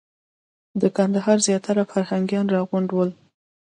د کندهار زیاتره فرهنګیان راغونډ ول.